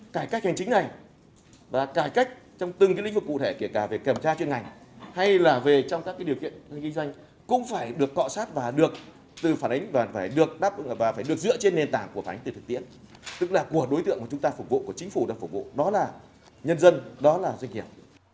cải cách hành chính này và cải cách trong từng lĩnh vực cụ thể kể cả về kiểm tra chuyên ngành hay là về trong các điều kiện kinh doanh cũng phải được cọ sát và được từ phản ánh và phải được dựa trên nền tảng của phản ánh tiền thực tiễn tức là của đối tượng mà chúng ta phục vụ của chính phủ đang phục vụ đó là nhân dân đó là doanh nghiệp